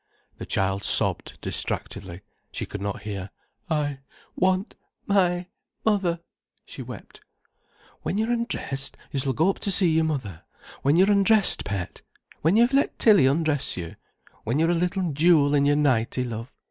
The child sobbed distractedly, she could not hear. "I want—my—mother," she wept. "When you're undressed, you s'll go up to see your mother—when you're undressed, pet, when you've let Tilly undress you, when you're a little jewel in your nightie, love.